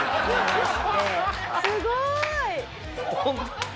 すごーい！